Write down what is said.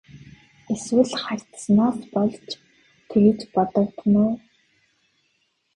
Эсвэл хардсанаас болж тэгж бодогдоно уу?